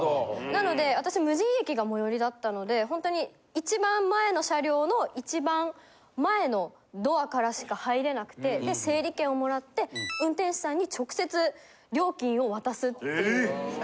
なので私無人駅が最寄りだったのでホントに一番前の車両の一番前のドアからしか入れなくてで整理券をもらって運転手さんに直接料金を渡すっていう。